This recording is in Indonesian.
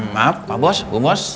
maaf pak bos bu bos